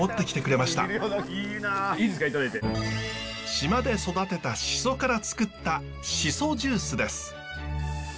島で育てたしそからつくったしそジュースです。